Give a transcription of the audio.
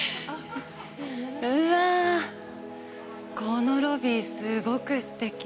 うわあ、このロビー、すごくすてき。